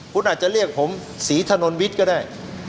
คุณอาจจะเรียกผมศรีถนนวิทย์ก็ได้